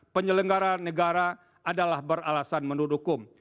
penyelenggara negara adalah beralasan menurut hukum